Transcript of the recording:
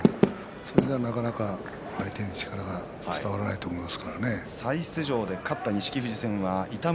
それではなかなか相手に力は伝わらないと思います。